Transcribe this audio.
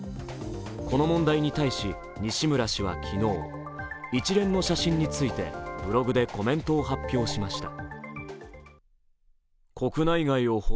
この問題に対し、西村氏は昨日、一連の写真についてブログでコメントを発表しました。